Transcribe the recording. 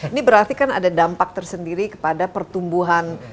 ini berarti kan ada dampak tersendiri kepada pertumbuhan